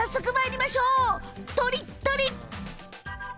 とりっとり！